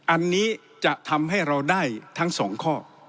อันนี้จะทำให้เราได้ทั้งสองข้อ